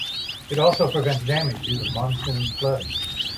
It also prevents damage due to monsoon floods.